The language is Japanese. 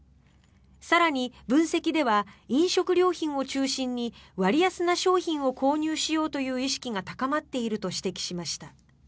更に、分析では飲食料品を中心に割安な商品を購入しようとしている意識が高まっていると指摘しました。